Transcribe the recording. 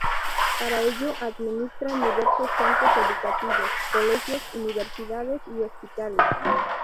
Para ello administran diversos centros educativos, colegios, universidades y hospitales.